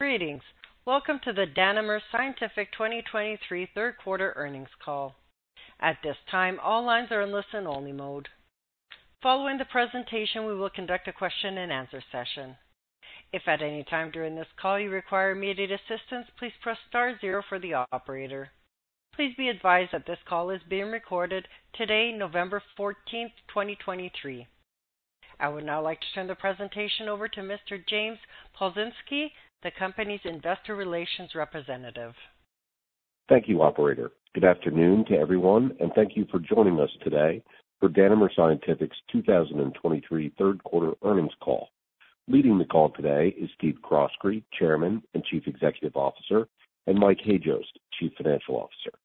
Greetings! Welcome to the Danimer Scientific 2023 third quarter earnings call. At this time, all lines are in listen-only mode. Following the presentation, we will conduct a question-and-answer session. If at any time during this call you require immediate assistance, please press star zero for the operator. Please be advised that this call is being recorded today, November 14, 2023. I would now like to turn the presentation over to Mr. James Palczynski, the company's Investor Relations representative. Thank you, operator. Good afternoon to everyone, and thank you for joining us today for Danimer Scientific's 2023 third quarter earnings call. Leading the call today is Steve Croskrey, Chairman and Chief Executive Officer, and Mike Hajost, Chief Financial Officer.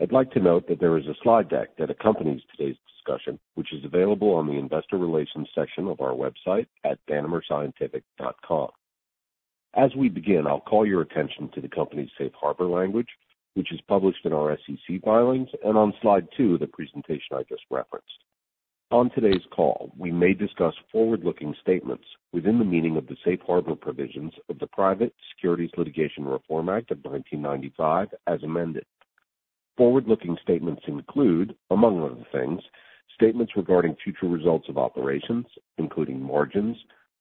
I'd like to note that there is a slide deck that accompanies today's discussion, which is available on the Investor Relations section of our website at danimerscientific.com. As we begin, I'll call your attention to the company's Safe Harbor language, which is published in our SEC filings and on slide 2 of the presentation I just referenced. On today's call, we may discuss forward-looking statements within the meaning of the Safe Harbor provisions of the Private Securities Litigation Reform Act of 1995, as amended. Forward-looking statements include, among other things, statements regarding future results of operations, including margins,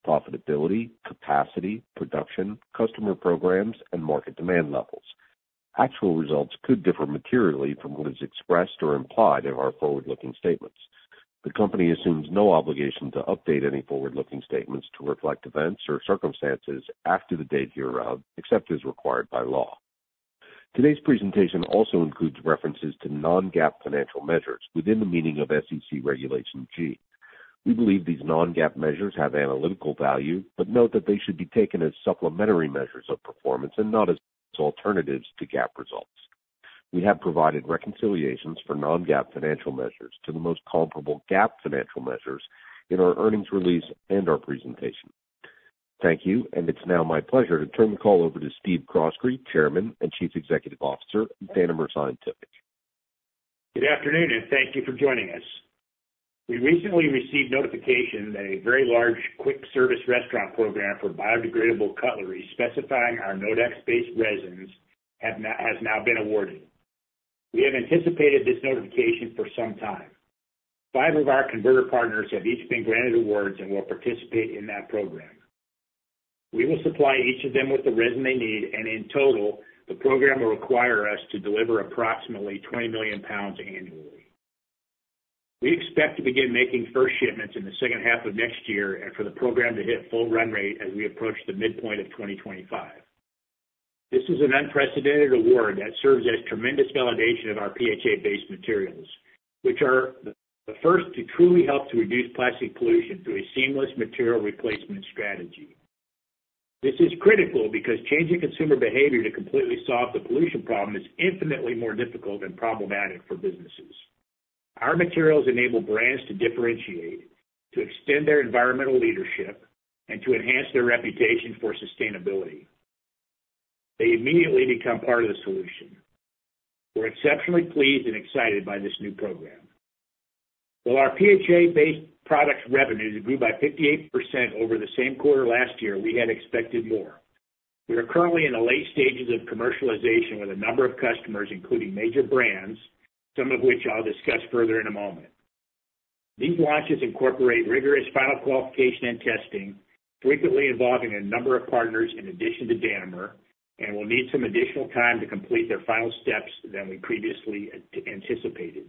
profitability, capacity, production, customer programs, and market demand levels. Actual results could differ materially from what is expressed or implied in our forward-looking statements. The company assumes no obligation to update any forward-looking statements to reflect events or circumstances after the date hereof, except as required by law. Today's presentation also includes references to non-GAAP financial measures within the meaning of SEC Regulation G. We believe these non-GAAP measures have analytical value, but note that they should be taken as supplementary measures of performance and not as alternatives to GAAP results. We have provided reconciliations for non-GAAP financial measures to the most comparable GAAP financial measures in our earnings release and our presentation. Thank you, and it's now my pleasure to turn the call over to Steve Croskrey, Chairman and Chief Executive Officer of Danimer Scientific. Good afternoon, and thank you for joining us. We recently received notification that a very large quick-service restaurant program for biodegradable cutlery specifying our Nodax-based resins has now been awarded. We have anticipated this notification for some time. Five of our converter partners have each been granted awards and will participate in that program. We will supply each of them with the resin they need, and in total, the program will require us to deliver approximately 20,000,000 lbs annually. We expect to begin making first shipments in the second half of next year and for the program to hit full run rate as we approach the midpoint of 2025. This is an unprecedented award that serves as tremendous validation of our PHA-based materials, which are the first to truly help to reduce plastic pollution through a seamless material replacement strategy. This is critical because changing consumer behavior to completely solve the pollution problem is infinitely more difficult and problematic for businesses. Our materials enable brands to differentiate, to extend their environmental leadership, and to enhance their reputation for sustainability. They immediately become part of the solution. We're exceptionally pleased and excited by this new program. While our PHA-based products revenue grew by 58% over the same quarter last year, we had expected more. We are currently in the late stages of commercialization with a number of customers, including major brands, some of which I'll discuss further in a moment. These launches incorporate rigorous final qualification and testing, frequently involving a number of partners in addition to Danimer, and will need some additional time to complete their final steps than we previously anticipated.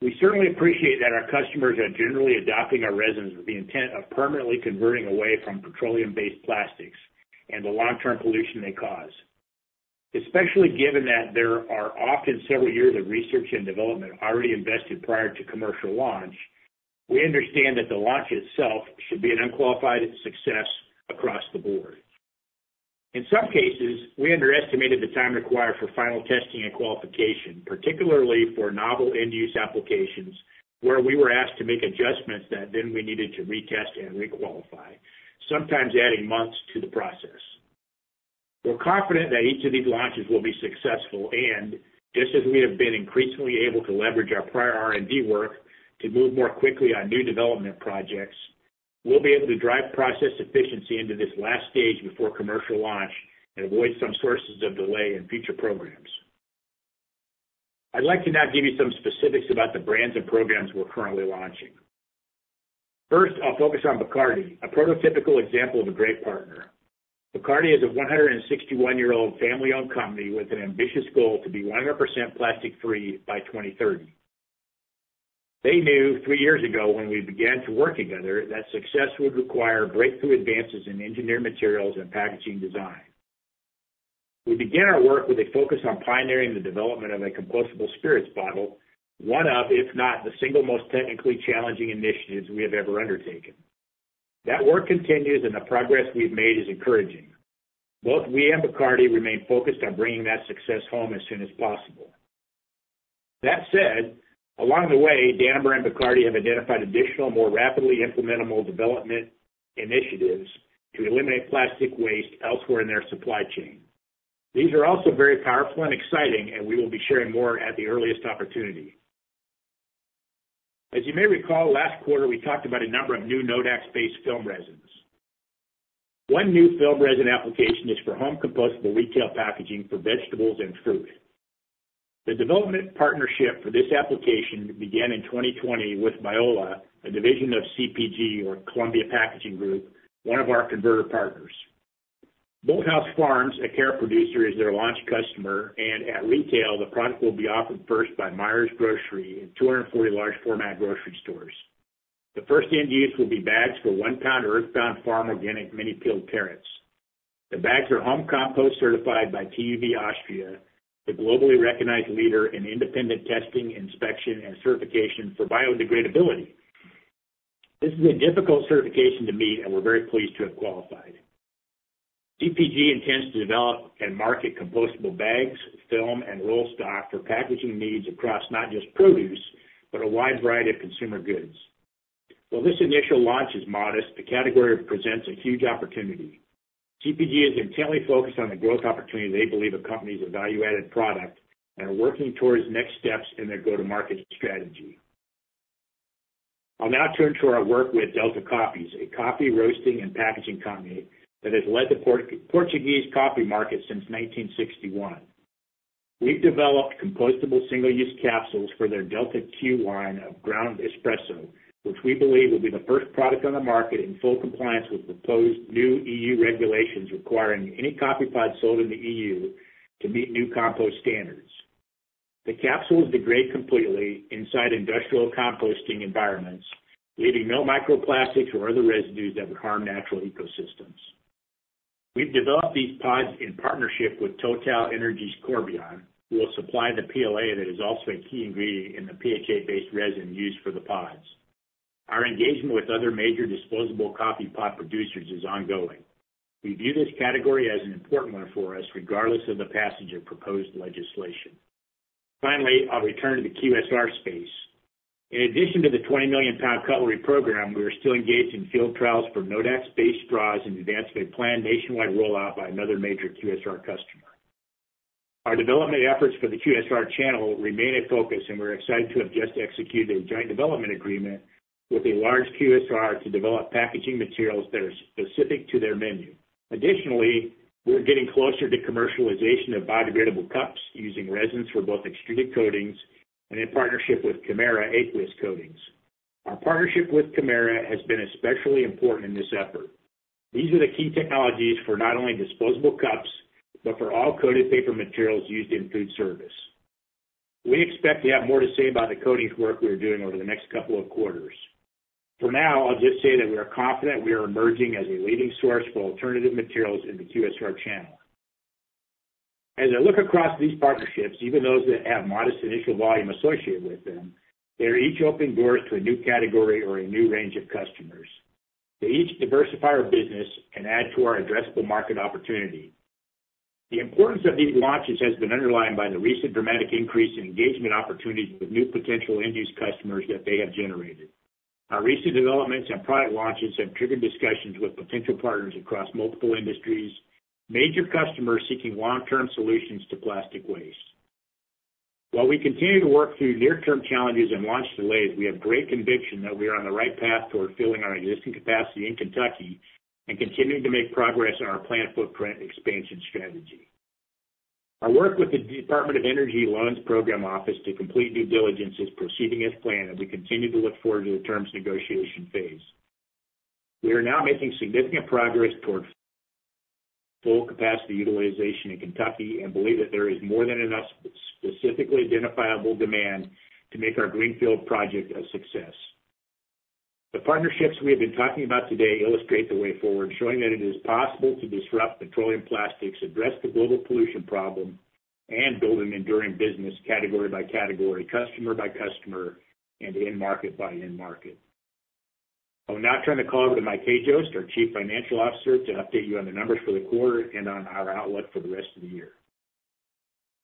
We certainly appreciate that our customers are generally adopting our resins with the intent of permanently converting away from petroleum-based plastics and the long-term pollution they cause. Especially given that there are often several years of research and development already invested prior to commercial launch, we understand that the launch itself should be an unqualified success across the board. In some cases, we underestimated the time required for final testing and qualification, particularly for novel end-use applications, where we were asked to make adjustments that then we needed to retest and requalify, sometimes adding months to the process. We're confident that each of these launches will be successful, and just as we have been increasingly able to leverage our prior R&D work to move more quickly on new development projects, we'll be able to drive process efficiency into this last stage before commercial launch and avoid some sources of delay in future programs. I'd like to now give you some specifics about the brands and programs we're currently launching. First, I'll focus on Bacardi, a prototypical example of a great partner. Bacardi is a 161-year-old family-owned company with an ambitious goal to be 100% plastic-free by 2030. They knew three years ago, when we began to work together, that success would require breakthrough advances in engineered materials and packaging design. We began our work with a focus on pioneering the development of a compostable spirits bottle, one of, if not, the single most technically challenging initiatives we have ever undertaken. That work continues, and the progress we've made is encouraging. Both we and Bacardi remain focused on bringing that success home as soon as possible. That said, along the way, Danimer and Bacardi have identified additional, more rapidly implementable development initiatives to eliminate plastic waste elsewhere in their supply chain.... These are also very powerful and exciting, and we will be sharing more at the earliest opportunity. As you may recall, last quarter, we talked about a number of new Nodax-based film resins. One new film resin application is for home compostable retail packaging for vegetables and fruit. The development partnership for this application began in 2020 with BIOLO, a division of CPG, or Columbia Packaging Group, one of our converter partners. Bolthouse Farms, a carrot producer, is their launch customer, and at retail, the product will be offered first by Meijer in 240 large format grocery stores. The first end use will be bags for one-pound Earthbound Farm Organic Mini Peeled carrots. The bags are home compost certified by TÜV Austria, the globally recognized leader in independent testing, inspection, and certification for biodegradability. This is a difficult certification to meet, and we're very pleased to have qualified. CPG intends to develop and market compostable bags, film, and roll stock for packaging needs across not just produce, but a wide variety of consumer goods. While this initial launch is modest, the category presents a huge opportunity. CPG is intently focused on the growth opportunity they believe accompanies a value-added product and are working towards next steps in their go-to-market strategy. I'll now turn to our work with Delta Cafés, a coffee roasting and packaging company that has led the Portuguese coffee market since 1961. We've developed compostable single-use capsules for their Delta Q line of ground espresso, which we believe will be the first product on the market in full compliance with proposed new EU regulations, requiring any coffee pod sold in the EU to meet new compost standards. The capsules degrade completely inside industrial composting environments, leaving no microplastics or other residues that would harm natural ecosystems. We've developed these pods in partnership with TotalEnergies Corbion, who will supply the PLA that is also a key ingredient in the PHA-based resin used for the pods. Our engagement with other major disposable coffee pod producers is ongoing. We view this category as an important one for us, regardless of the passage of proposed legislation. Finally, I'll return to the QSR space. In addition to the 20,000,000 pound cutlery program, we are still engaged in field trials for Nodax-based straws in advance of a planned nationwide rollout by another major QSR customer. Our development efforts for the QSR channel remain a focus, and we're excited to have just executed a joint development agreement with a large QSR to develop packaging materials that are specific to their menu. Additionally, we're getting closer to commercialization of biodegradable cups using resins for both extruded coatings and in partnership with Kemira aqueous coatings. Our partnership with Kemira has been especially important in this effort. These are the key technologies for not only disposable cups, but for all coated paper materials used in food service. We expect to have more to say about the coatings work we are doing over the next couple of quarters. For now, I'll just say that we are confident we are emerging as a leading source for alternative materials in the QSR channel. As I look across these partnerships, even those that have modest initial volume associated with them, they're each opening doors to a new category or a new range of customers. They each diversify our business and add to our addressable market opportunity. The importance of these launches has been underlined by the recent dramatic increase in engagement opportunities with new potential end-use customers that they have generated. Our recent developments and product launches have triggered discussions with potential partners across multiple industries, major customers seeking long-term solutions to plastic waste. While we continue to work through near-term challenges and launch delays, we have great conviction that we are on the right path toward filling our existing capacity in Kentucky and continuing to make progress on our plant footprint expansion strategy. Our work with the U.S. Department of Energy Loan Programs Office to complete due diligence is proceeding as planned, and we continue to look forward to the terms negotiation phase. We are now making significant progress towards full capacity utilization in Kentucky and believe that there is more than enough specifically identifiable demand to make our greenfield project a success. The partnerships we have been talking about today illustrate the way forward, showing that it is possible to disrupt petroleum plastics, address the global pollution problem, and build an enduring business category by category, customer by customer, and end market by end market. I'll now turn the call over to Mike Hajost, our Chief Financial Officer, to update you on the numbers for the quarter and on our outlook for the rest of the year.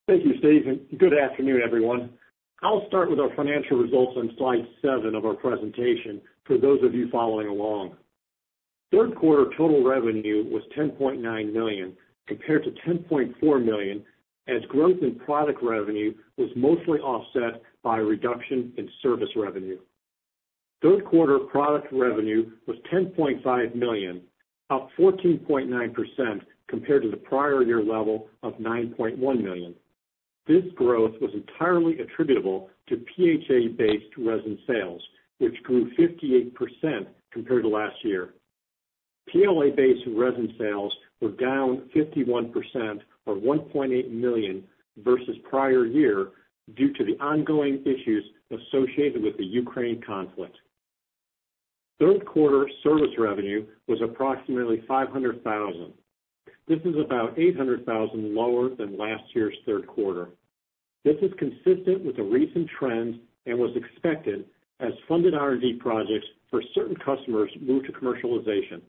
Thank you, Steve, and good afternoon, everyone. I'll start with our financial results on slide 7 of our presentation for those of you following along. Third quarter total revenue was $10,900,000, compared to $10,400,000, as growth in product revenue was mostly offset by a reduction in service revenue. Third quarter product revenue was $10,500,000, up 14.9% compared to the prior year level of $9,100,000. This growth was entirely attributable to PHA-based resin sales, which grew 58% compared to last year. PLA-based resin sales were down 51%, or $1,800,000, versus prior year, due to the ongoing issues associated with the Ukraine conflict. Third quarter service revenue was approximately $500,000. This is about $800,000 lower than last year's third quarter. This is consistent with the recent trends and was expected as funded R&D projects for certain customers moved to commercialization.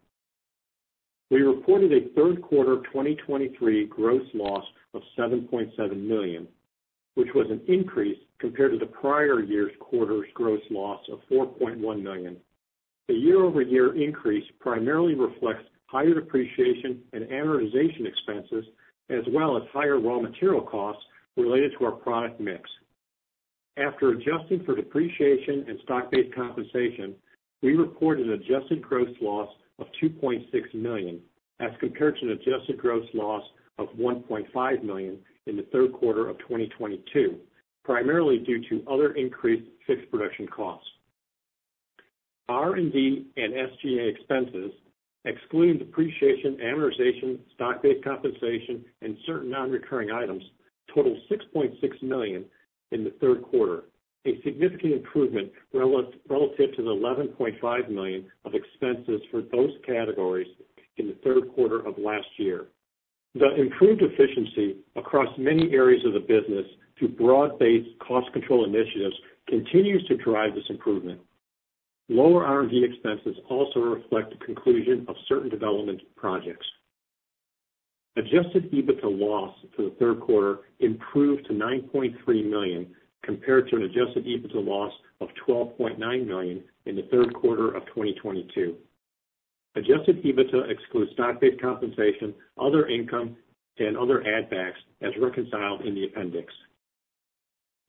We reported a third quarter 2023 gross loss of $7,700,000, which was an increase compared to the prior year's quarter's gross loss of $4,100,000. The year-over-year increase primarily reflects higher depreciation and amortization expenses, as well as higher raw material costs related to our product mix. After adjusting for depreciation and stock-based compensation, we reported an adjusted gross loss of $2,600,000, as compared to an adjusted gross loss of $1,500,000 in the third quarter of 2022, primarily due to other increased fixed production costs. R&D and SG&A expenses, excluding depreciation, amortization, stock-based compensation, and certain non-recurring items, totaled $6,600,000 in the third quarter, a significant improvement relative to the $11,500,000 of expenses for those categories in the third quarter of last year. The improved efficiency across many areas of the business through broad-based cost control initiatives continues to drive this improvement. Lower R&D expenses also reflect the conclusion of certain development projects. Adjusted EBITDA loss for the third quarter improved to $9,300,000, compared to an Adjusted EBITDA loss of $12,900,000 in the third quarter of 2022. Adjusted EBITDA excludes stock-based compensation, other income, and other add-backs, as reconciled in the appendix.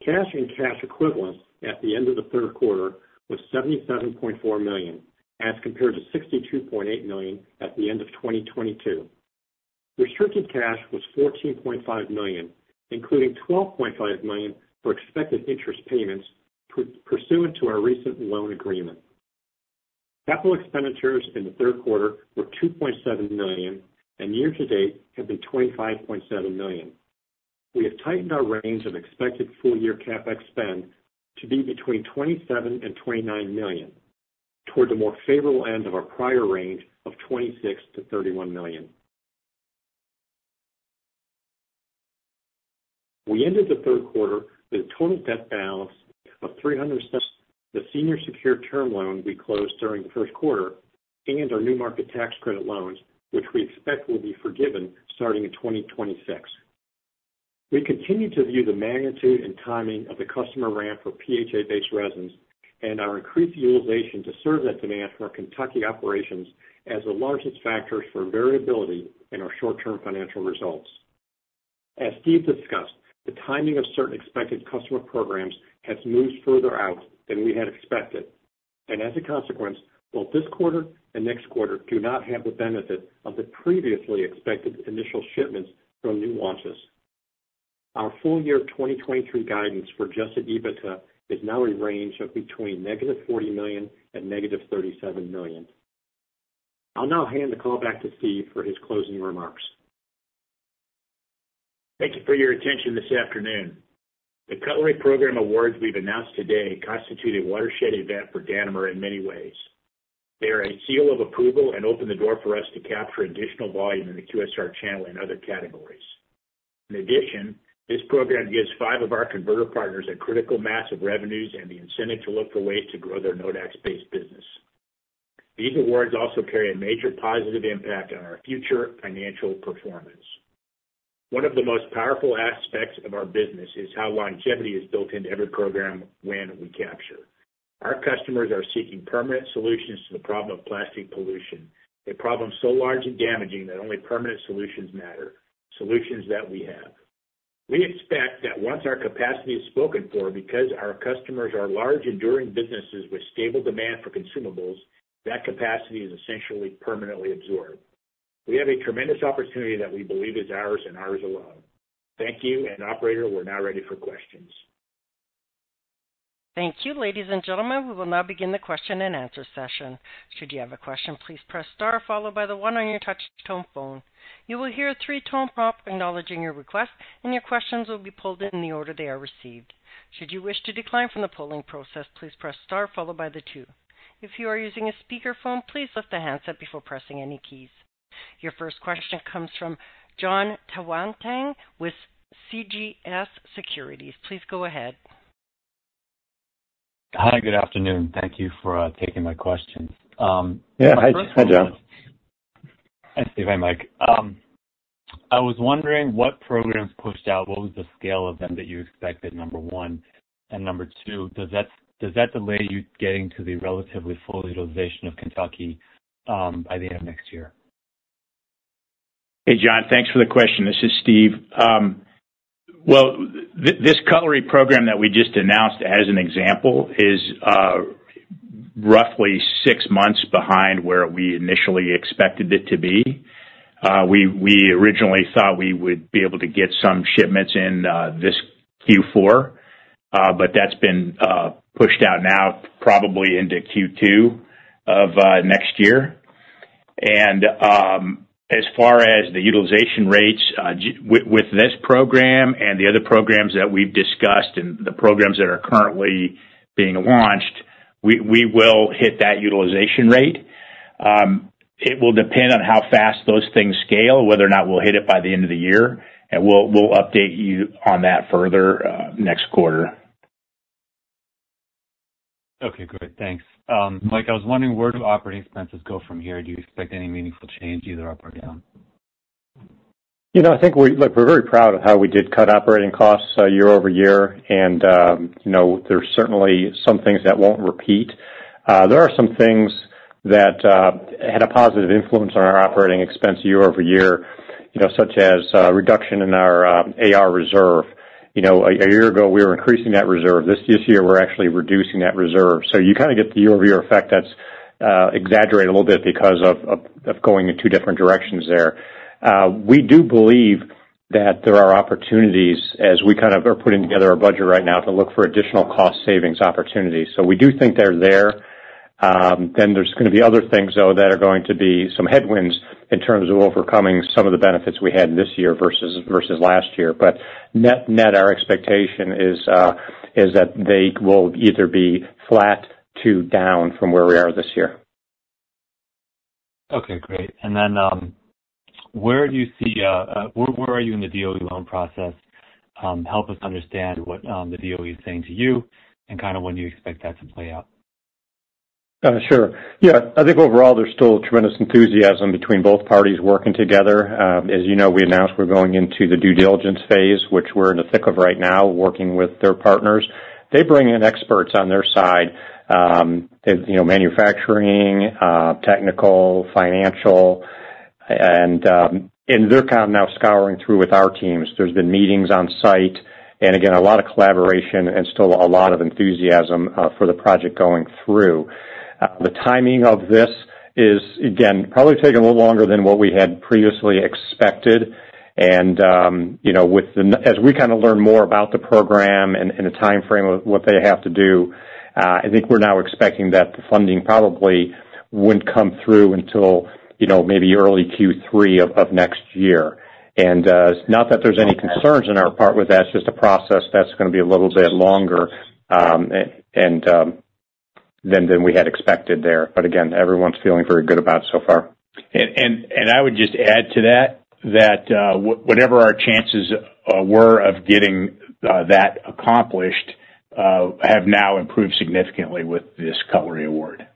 Cash and cash equivalents at the end of the third quarter was $77,400,000, as compared to $62,800,000 at the end of 2022. Restricted cash was $14,500,000, including $12,500,000 for expected interest payments pursuant to our recent loan agreement. Capital expenditures in the third quarter were $2,700,000, and year to date have been $25,700,000. We have tightened our range of expected full year CapEx spend to be between $27,000,000 and $29,000,000, toward the more favorable end of our prior range of $26,000,000-$31,000,000. We ended the third quarter with a total debt balance of $377,000,000, excluding the senior secured term loan we closed during the first quarter and our new market tax credit loans, which we expect will be forgiven starting in 2026. We continue to view the magnitude and timing of the customer ramp for PHA-based resins and our increased utilization to serve that demand from our Kentucky operations as the largest factors for variability in our short-term financial results. As Steve discussed, the timing of certain expected customer programs has moved further out than we had expected. As a consequence, both this quarter and next quarter do not have the benefit of the previously expected initial shipments from new launches. Our full year 2023 guidance for Adjusted EBITDA is now a range of between -$40,000,000 and -$37,000,000. I'll now hand the call back to Steve for his closing remarks. Thank you for your attention this afternoon. The cutlery program awards we've announced today constitute a watershed event for Danimer in many ways. They are a seal of approval and open the door for us to capture additional volume in the QSR channel in other categories. In addition, this program gives five of our converter partners a critical mass of revenues and the incentive to look for ways to grow their Nodax-based business. These awards also carry a major positive impact on our future financial performance. One of the most powerful aspects of our business is how longevity is built into every program win we capture. Our customers are seeking permanent solutions to the problem of plastic pollution, a problem so large and damaging that only permanent solutions matter, solutions that we have. We expect that once our capacity is spoken for, because our customers are large, enduring businesses with stable demand for consumables, that capacity is essentially permanently absorbed. We have a tremendous opportunity that we believe is ours and ours alone. Thank you. Operator, we're now ready for questions. Thank you, ladies and gentlemen. We will now begin the question and answer session. Should you have a question, please press star followed by the one on your touch-tone phone. You will hear a three-tone prompt acknowledging your request, and your questions will be pulled in the order they are received. Should you wish to decline from the polling process, please press star followed by the two. If you are using a speakerphone, please lift the handset before pressing any keys. Your first question comes from Jon Tanwanteng with CJS Securities. Please go ahead. Hi, good afternoon. Thank you for taking my questions. My first one was- Yeah. Hi, John. Hi, Steve. Hi, Mike. I was wondering what programs pushed out, what was the scale of them that you expected, number one? And number two, does that, does that delay you getting to the relatively full utilization of Kentucky by the end of next year? Hey, John, thanks for the question. This is Steve. Well, this cutlery program that we just announced, as an example, is roughly six months behind where we initially expected it to be. We originally thought we would be able to get some shipments in this Q4, but that's been pushed out now probably into Q2 of next year. And, as far as the utilization rates, with this program and the other programs that we've discussed and the programs that are currently being launched, we will hit that utilization rate. It will depend on how fast those things scale, whether or not we'll hit it by the end of the year, and we'll update you on that further next quarter. Okay, great. Thanks. Mike, I was wondering, where do operating expenses go from here? Do you expect any meaningful change, either up or down?... You know, I think we're very proud of how we did cut operating costs year-over-year, and you know, there's certainly some things that won't repeat. There are some things that had a positive influence on our operating expense year-over-year, you know, such as reduction in our AR reserve. You know, a year ago, we were increasing that reserve. This year, we're actually reducing that reserve. So you kind of get the year-over-year effect that's exaggerated a little bit because of going in two different directions there. We do believe that there are opportunities as we kind of are putting together our budget right now, to look for additional cost savings opportunities. So we do think they're there. Then there's gonna be other things, though, that are going to be some headwinds in terms of overcoming some of the benefits we had this year versus last year. But net-net, our expectation is that they will either be flat to down from where we are this year. Okay, great. And then, where are you in the DOE loan process? Help us understand what the DOE is saying to you, and kind of when do you expect that to play out? Sure. Yeah, I think overall there's still tremendous enthusiasm between both parties working together. As you know, we announced we're going into the due diligence phase, which we're in the thick of right now, working with their partners. They bring in experts on their side, you know, manufacturing, technical, financial, and, and they're kind of now scouring through with our teams. There's been meetings on site, and again, a lot of collaboration and still a lot of enthusiasm for the project going through. The timing of this is, again, probably taking a little longer than what we had previously expected. You know, with the as we kind of learn more about the program and the timeframe of what they have to do, I think we're now expecting that the funding probably wouldn't come through until, you know, maybe early Q3 of next year. Not that there's any concerns on our part with that, it's just a process that's gonna be a little bit longer and than we had expected there. But again, everyone's feeling very good about it so far. I would just add to that, whatever our chances were of getting that accomplished have now improved significantly with this cutlery award.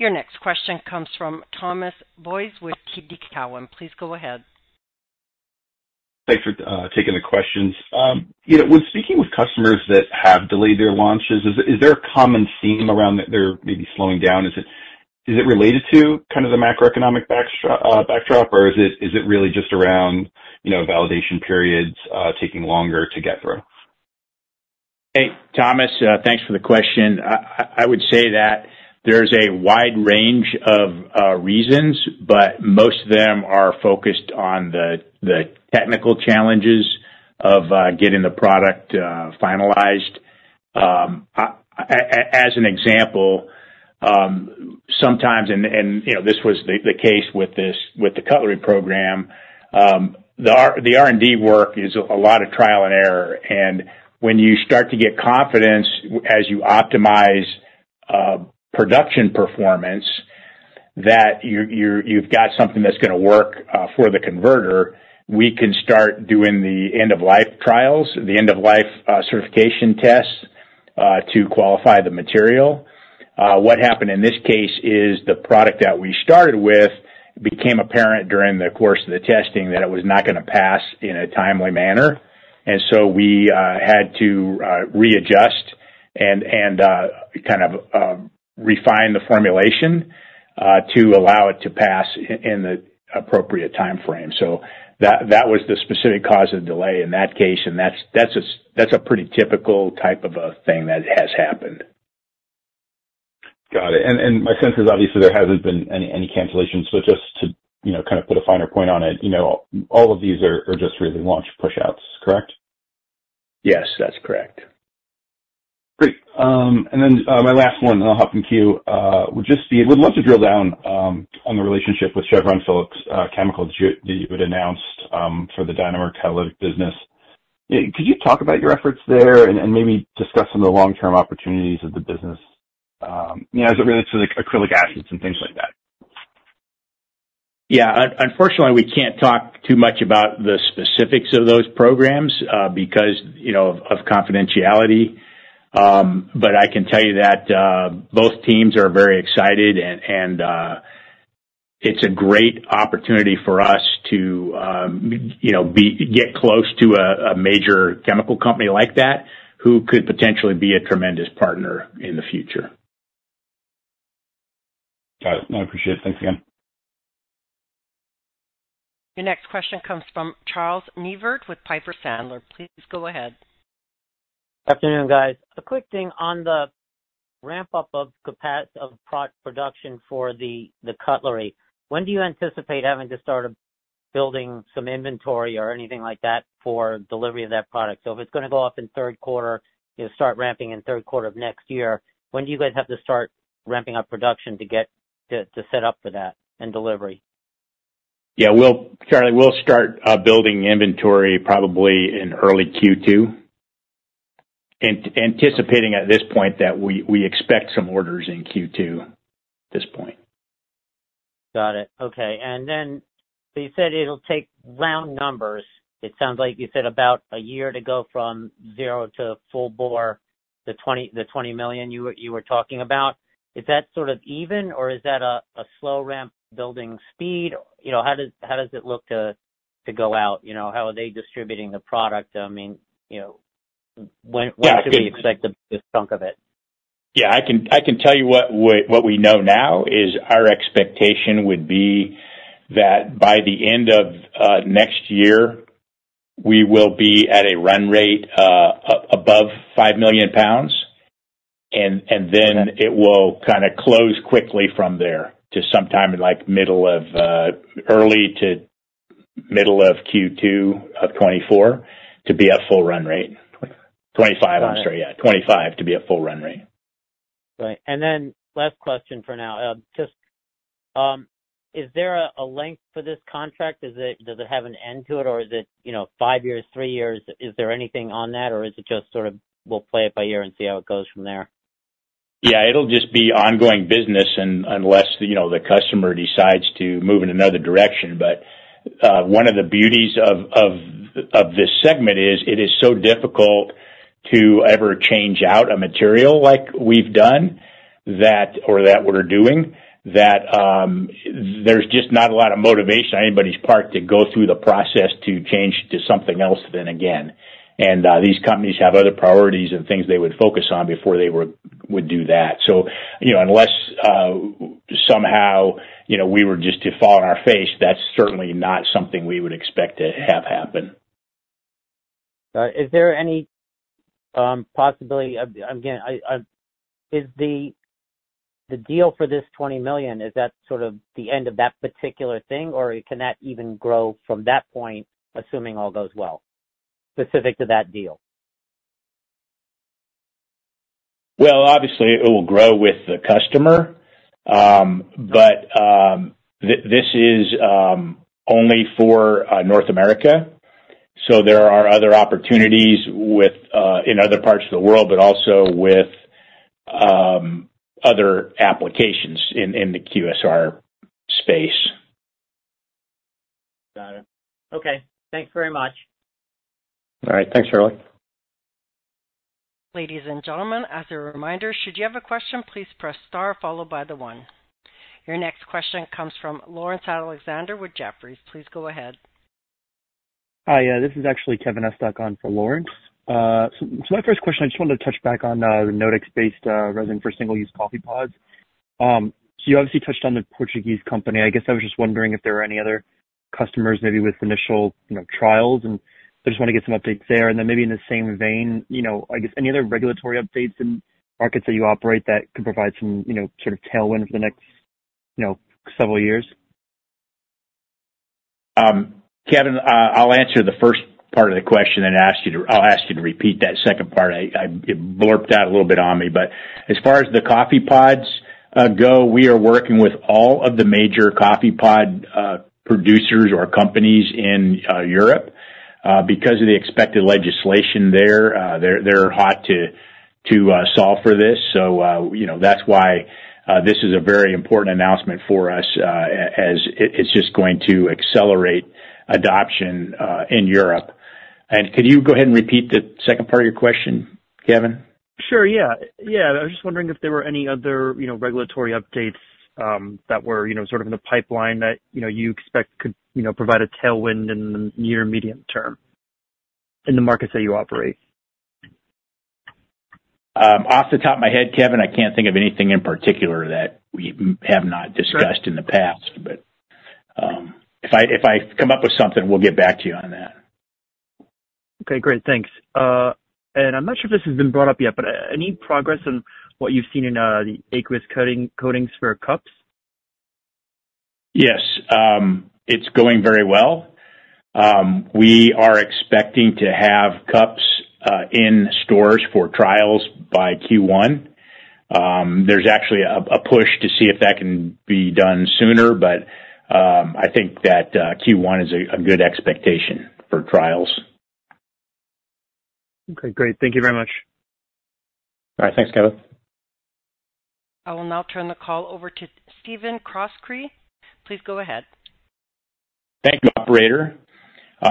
Your next question comes from Thomas Boyes with KeyBanc. Please go ahead. Thanks for taking the questions. You know, when speaking with customers that have delayed their launches, is there a common theme around that they're maybe slowing down? Is it related to kind of the macroeconomic backdrop, or is it really just around, you know, validation periods taking longer to get through? Hey, Thomas, thanks for the question. I would say that there's a wide range of reasons, but most of them are focused on the technical challenges of getting the product finalized. As an example, sometimes, and you know, this was the case with the cutlery program, the R&D work is a lot of trial and error. And when you start to get confidence as you optimize production performance, that you've got something that's gonna work for the converter, we can start doing the end-of-life trials, the end-of-life certification tests to qualify the material. What happened in this case is the product that we started with became apparent during the course of the testing, that it was not gonna pass in a timely manner. And so we had to readjust and kind of refine the formulation to allow it to pass in the appropriate timeframe. So that was the specific cause of delay in that case, and that's a pretty typical type of a thing that has happened. Got it. And my sense is, obviously, there hasn't been any cancellations. So just to, you know, kind of put a finer point on it, you know, all of these are just really launch pushouts, correct? Yes, that's correct. Great. And then, my last one, and I'll hop in queue. Would just be, would love to drill down, on the relationship with Chevron Phillips Chemical, that you, that you had announced, for the Danimer cutlery business. Could you talk about your efforts there and, and maybe discuss some of the long-term opportunities of the business, you know, as it relates to, like, acrylic acids and things like that? Yeah. Unfortunately, we can't talk too much about the specifics of those programs, because, you know, of confidentiality. But I can tell you that both teams are very excited and it's a great opportunity for us to, you know, get close to a major chemical company like that, who could potentially be a tremendous partner in the future. Got it. I appreciate it. Thanks again. Your next question comes from Charles Neivert with Piper Sandler. Please go ahead. Good afternoon, guys. A quick thing on the ramp-up of capacity of production for the cutlery. When do you anticipate having to start building some inventory or anything like that for delivery of that product? So if it's gonna go off in third quarter, you know, start ramping in third quarter of next year, when do you guys have to start ramping up production to get to set up for that, and delivery? Yeah, we'll start building inventory probably in early Q2. Anticipating at this point that we expect some orders in Q2, at this point. Got it. Okay, and then-... So you said it'll take round numbers. It sounds like you said about a year to go from zero to full bore, the 20,000,000 you were talking about. Is that sort of even, or is that a slow ramp building speed? You know, how does it look to go out? You know, how are they distributing the product? I mean, you know, when should we expect the biggest chunk of it? Yeah, I can tell you what we know now is our expectation would be that by the end of next year, we will be at a run rate above 5,000,000 lbs. And then it will kind of close quickly from there to sometime in like middle of early to middle of Q2 of 2024 to be at full run rate. 2025, I'm sorry. Yeah, 2025 to be at full run rate. Right. And then last question for now. Just, is there a, a length for this contract? Is it, does it have an end to it, or is it, you know, five years, three years? Is there anything on that, or is it just sort of we'll play it by ear and see how it goes from there? Yeah, it'll just be ongoing business unless, you know, the customer decides to move in another direction. But, one of the beauties of this segment is, it is so difficult to ever change out a material like we've done that or that we're doing, that, there's just not a lot of motivation on anybody's part to go through the process to change to something else then again. And, these companies have other priorities and things they would focus on before they would do that. So, you know, unless, somehow, you know, we were just to fall on our face, that's certainly not something we would expect to have happen. Is there any possibility, again? Is the deal for this $20,000,000 sort of the end of that particular thing, or can that even grow from that point, assuming all goes well, specific to that deal? Well, obviously, it will grow with the customer. But this is only for North America, so there are other opportunities within other parts of the world, but also with other applications in the QSR space. Got it. Okay. Thanks very much. All right. Thanks, Charlie. Ladies and gentlemen, as a reminder, should you have a question, please press star followed by the one. Your next question comes from Lawrence Alexander with Jefferies. Please go ahead. Hi, this is actually Kevin Estok on for Lawrence. So, so my first question, I just wanted to touch back on, the Nodax-based resin for single-use coffee pods. So you obviously touched on the Portuguese company. I guess I was just wondering if there are any other customers, maybe with initial, you know, trials, and I just want to get some updates there. And then maybe in the same vein, you know, I guess any other regulatory updates in markets that you operate that could provide some, you know, sort of tailwind over the next, you know, several years? Kevin, I'll answer the first part of the question and ask you to repeat that second part. It blurped out a little bit on me. But as far as the coffee pods go, we are working with all of the major coffee pod producers or companies in Europe because of the expected legislation there. They're hot to solve for this. So, you know, that's why this is a very important announcement for us, as it's just going to accelerate adoption in Europe. And could you go ahead and repeat the second part of your question, Kevin? Sure, yeah. Yeah, I was just wondering if there were any other, you know, regulatory updates, that were, you know, sort of in the pipeline that, you know, you expect could, you know, provide a tailwind in the near, medium term, in the markets that you operate? Off the top of my head, Kevin, I can't think of anything in particular that we have not discussed- Sure. In the past. But, if I come up with something, we'll get back to you on that. Okay, great. Thanks. And I'm not sure if this has been brought up yet, but any progress on what you've seen in the aqueous coating, coatings for cups? Yes, it's going very well. We are expecting to have cups in stores for trials by Q1. There's actually a push to see if that can be done sooner, but I think that Q1 is a good expectation for trials. Okay, great. Thank you very much. All right. Thanks, Kevin. I will now turn the call over to Stephen Croskrey. Please go ahead. Thank you, operator.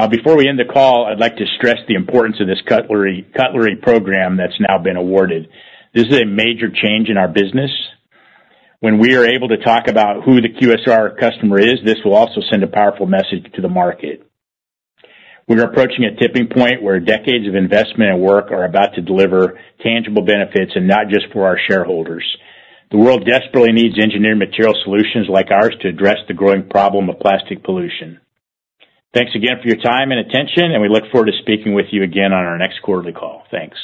Before we end the call, I'd like to stress the importance of this cutlery, cutlery program that's now been awarded. This is a major change in our business. When we are able to talk about who the QSR customer is, this will also send a powerful message to the market. We are approaching a tipping point where decades of investment and work are about to deliver tangible benefits, and not just for our shareholders. The world desperately needs engineered material solutions like ours to address the growing problem of plastic pollution. Thanks again for your time and attention, and we look forward to speaking with you again on our next quarterly call. Thanks.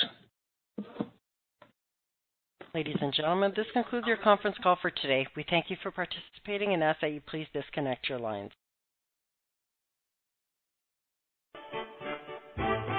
Ladies and gentlemen, this concludes your conference call for today. We thank you for participating and ask that you please disconnect your lines.